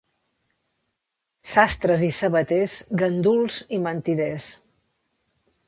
Sastres i sabaters, ganduls i mentiders.